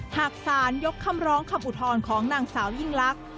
หากสารยกคำร้องคำอุทธรณ์ของนางสาวยิ่งลักษณ